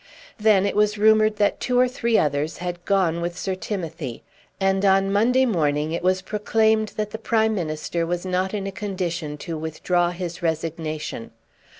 Then it was rumoured that two or three others had gone with Sir Timothy. And on Monday morning it was proclaimed that the Prime Minister was not in a condition to withdraw his resignation.